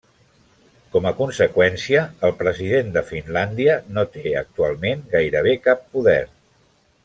Com a conseqüència, el president de Finlàndia no té actualment gairebé cap poder.